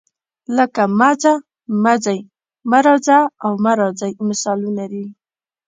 لکه مه ځه، مه ځئ، مه راځه او مه راځئ مثالونه دي.